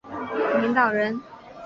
他又是伊朗宪政运动的领导人。